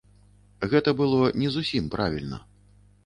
Гэта было не зусім правільна.